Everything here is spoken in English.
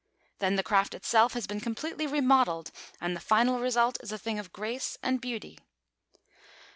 Then the craft itself has been completely remodelled, and the final result is a thing of grace and beauty.